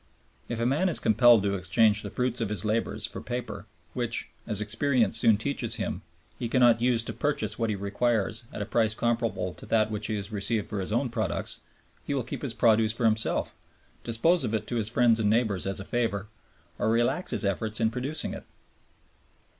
If a man is compelled to exchange the fruits of his labors for paper which, as experience soon teaches him, he cannot use to purchase what he requires at a price comparable to that which he has received for his own products, he will keep his produce for himself, dispose of it to his friends and neighbors as a favor, or relax his efforts in producing it.